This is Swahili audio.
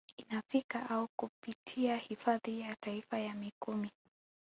Inafika au kupitia hifadhi ya taifa ya Mikumi